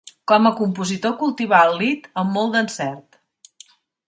Com a compositor cultivà el lied amb molt d'encert.